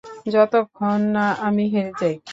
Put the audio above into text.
যতক্ষণ না আমি হেরে যাই।